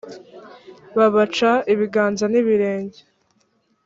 babaca ibiganza n ibirenge